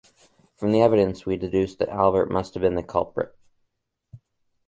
From the evidence we deduced that Albert must have been the culprit.